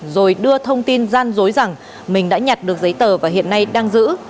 rồi đưa thông tin gian dối rằng mình đã nhặt được giấy tờ và hiện nay đang giữ